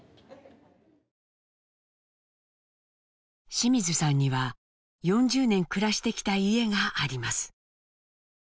清水さんには４０年暮らしてきた家があります。